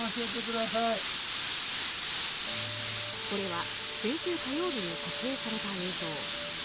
これは先週火曜日に撮影された映像。